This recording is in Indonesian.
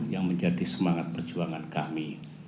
yang menjadi semangat perjuangan kami